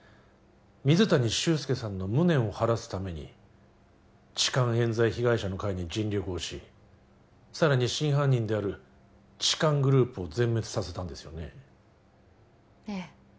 水谷秀介さんの無念を晴らすために痴漢冤罪被害者の会に尽力をしさらに真犯人である痴漢グループを全滅させたんですよねええ